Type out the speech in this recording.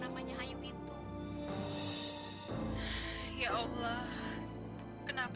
mari kita susahkan